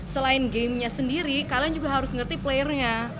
selain gamenya sendiri kalian juga harus ngerti playernya